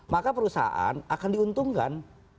maka perusahaan akan diuntungkan